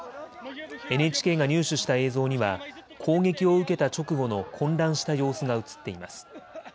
ＮＨＫが入手した映像には攻撃を受けた直後の混乱した様子が写っています。